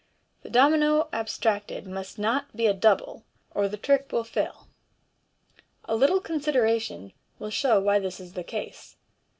The domino abstracted must not be a " double/' or the trick 268 MODERN MAGIC. will fail. A little consideration will show why this is the case.